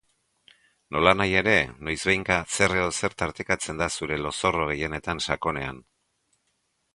Nolanahi ere, noizbehinka zer edo zer tartekatzen da zure lozorro gehienetan sakonean.